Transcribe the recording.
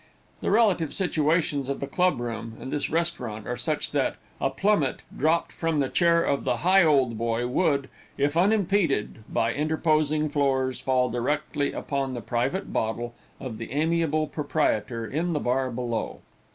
The relative situations of the club room and this restaurant were such, that a plummet, dropped from the chair of the Higholdboy, would, if unimpeded by interposing floors, fall directly upon the private bottle of the amiable proprietor in the bar below.